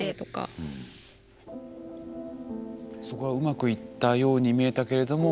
そこがうまくいったように見えたけれども。